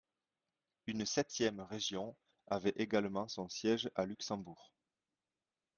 Une septième région avait également son siège à Luxembourg.